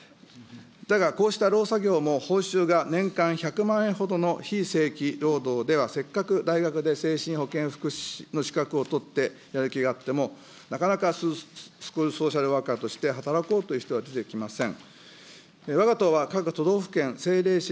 だがこうしたろう作業も報酬が年間１００万円ほどの非正規労働では、せっかく大学で精神保健福祉士の資格を取ってやる気があっても、なかなかスクールソーシャルワーカーとして働こうという人は出てきません。